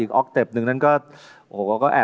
โปรดติดตามต่อไป